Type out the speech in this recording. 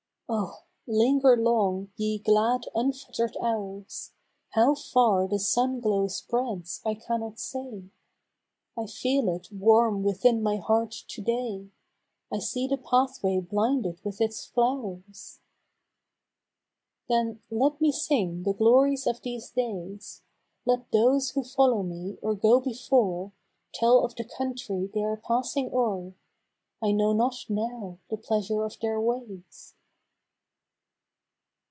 Now, 1 39 7. Oh ! linger long, ye glad unfetter'd hours \ How far the sun glow spreads I cannot say, I feel it warm within my heart to day, I see the pathway blinded with its flow'rs 1 8. Then let me sing the glories of these days, Let those who follow me, or go before, Tell of the country they are passing o'er, I know not now the pleasure of their ways